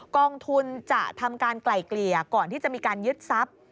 กองทุนจะทำการไกล่เกลี่ยก่อนที่จะมีการยึดทรัพย์